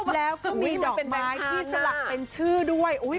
แล้วก็มีดอกไม้ที่สลักเป็นชื่อด้วย